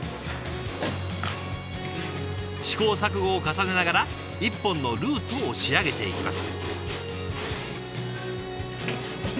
試行錯誤を重ねながら１本のルートを仕上げていきます。